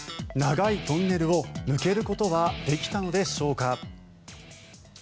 長いトンネルを抜けることはできたのでしょうか。